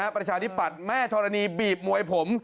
ประชาธิปัตย์แม่ธรณีบีบมวยผม